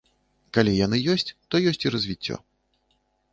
Калі яны ёсць, то ёсць і развіццё.